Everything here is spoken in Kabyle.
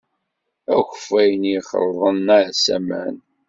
Akeffay-nni xelḍen-as aman.